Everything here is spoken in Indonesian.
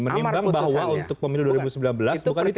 menimbang bahwa untuk pemilu dua ribu sembilan belas bukan itu